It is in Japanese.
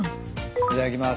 いただきます。